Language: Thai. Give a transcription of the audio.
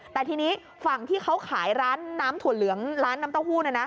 แต่ทีนี้ฝั่งที่เขาขายร้านน้ำถั่วเหลืองร้านน้ำเต้าหู้